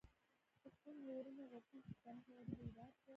پښتون ژغورني غورځنګ پښتانه شعوري بيدار کړل.